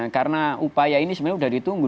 karena upaya ini sebenarnya sudah ditunggu